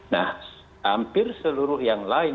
nah hampir seluruh yang lain